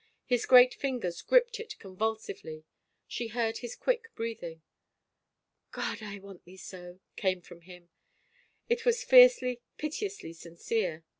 His great fingers gripped it convulsively. She heard his quick breathing. " God — I want thee so I " came from him. It was fiercely, piteously sincere.